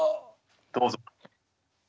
どうぞ。